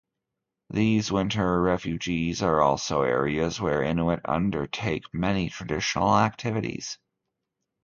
These winter refuges are also areas where Inuit undertake many traditional activities.